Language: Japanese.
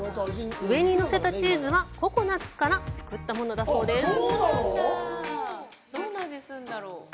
上に乗せたチーズはココナッツから作ったものだそうです。